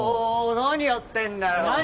何やってんだよ？